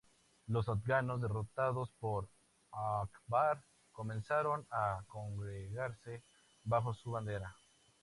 Los afganos derrotados por Akbar comenzaron a congregarse bajo su bandera.